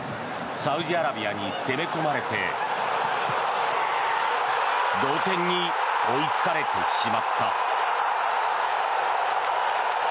サウジアラビアに攻め込まれて同点に追いつかれてしまった。